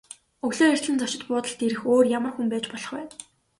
Өглөө эртлэн зочид буудалд ирэх өөр ямар хүн байж болох вэ?